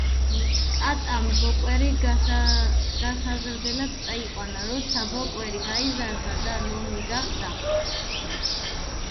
კატამ ბოკვერი გასაზრდელად წაიყვანა. როცა ბოკვერი გაიზარდა და ლომი გახდა.